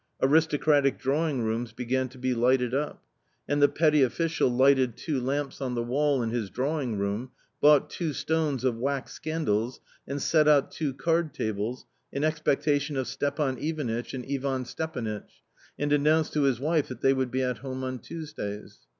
Aristocratic drawing rooms began to be lighted up. And the petty official lighted two lamps on the wall in his drawing room, bought two stones of wax candles and set out two card tables, in expectation of Stepan Ivanitch and Ivan Stepanitch, and announced to his wife that they would be at home on Tuesdays.